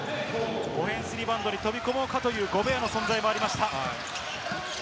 オフェンスリバウンドに飛び込むかというゴベアの存在もありました。